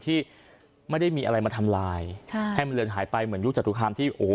ที่ไม่ได้มีอะไรมาทำลายใช่ให้มันเลือนหายไปเหมือนยุคจตุคามที่โอ้โห